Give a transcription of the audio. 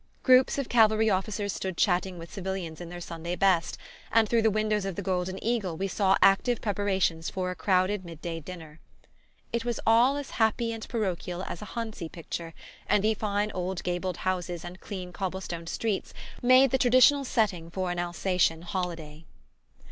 Groups of cavalry officers stood chatting with civilians in their Sunday best, and through the windows of the Golden Eagle we saw active preparations for a crowded mid day dinner. It was all as happy and parochial as a "Hansi" picture, and the fine old gabled houses and clean cobblestone streets made the traditional setting for an Alsacian holiday.